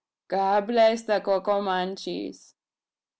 God bless the Co co manchees!"